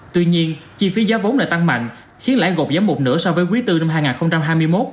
tuy nhiên chi phí giá vốn đã tăng mạnh khiến lãi gột giám một nửa so với quý tư năm hai nghìn hai mươi một